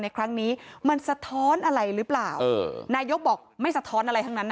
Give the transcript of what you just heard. ในครั้งนี้มันสะท้อนอะไรหรือเปล่าเออนายกบอกไม่สะท้อนอะไรทั้งนั้น